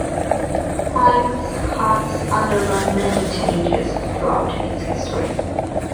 The Times has undergone many changes throughout its history.